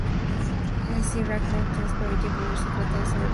Sir Isaac Newton le permitió imprimir su tratado sobre los ácidos.